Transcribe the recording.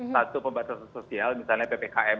satu pembatasan sosial misalnya ppkm